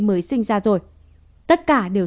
mới sinh ra rồi tất cả đều